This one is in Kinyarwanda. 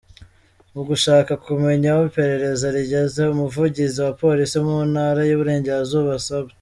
Mu gushaka kumenya aho iperereza rigeze, Umuvugizi wa Polisi mu Ntara y’Iburengerazuba, Supt.